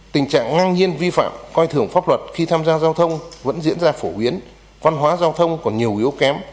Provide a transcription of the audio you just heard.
tình trạng ngang nhiên vi phạm coi thường pháp luật khi tham gia giao thông vẫn diễn ra phổ biến văn hóa giao thông còn nhiều yếu kém